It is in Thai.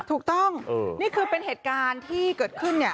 ถูกต้องนี่คือเป็นเหตุการณ์ที่เกิดขึ้นเนี่ย